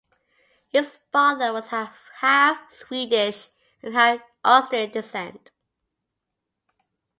His father was of half Swedish and half Austrian descent.